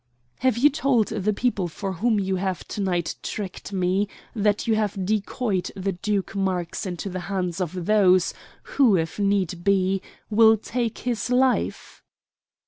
"Have you told the people for whom you have to night tricked me that you have decoyed the Duke Marx into the hands of those who, if need be, will take his life?"